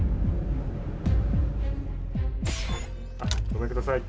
ごめんください。